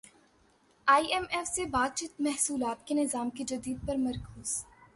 ئی M F سے بات چیت محصولات کے نظام کی تجدید پر مرکوز